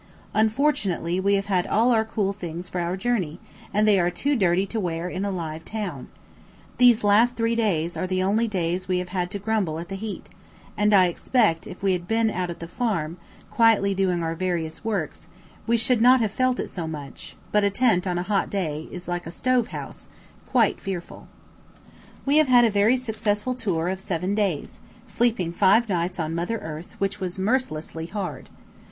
Unfortunately we have had all our cool things for our journey, and they are too dirty to wear in a "live" town. These three last days are the only days we have had to grumble at the heat; and, I expect, if we bad been out at the farm, quietly doing our various works, we should not have felt it so much; but a tent on a hot day is like a stove house, quite fearful. We have had a very successful tour of seven days, sleeping five nights on Mother Earth, which was mercilessly hard.